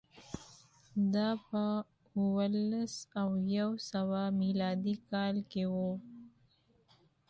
دا په اووه لس او یو سوه میلادي کال کې و